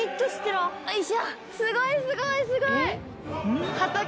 すごいすごいすごい！